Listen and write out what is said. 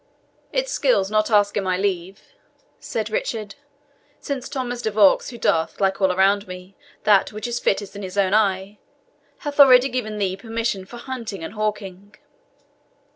"It skills not asking my leave," said Richard, "since Thomas de Vaux, who doth, like all around me, that which is fittest in his own eyes, hath already given thee permission for hunting and hawking."